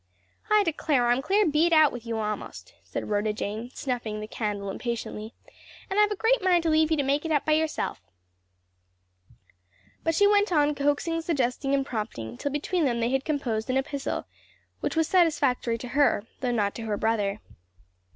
"I declare I'm clear beat out with you a'most," said Rhoda Jane, snuffing the candle impatiently; "and I've a great mind to leave you to make it up by yourself." But she went on coaxing, suggesting and prompting, till between them they had composed an epistle which was satisfactory to her though not to her brother.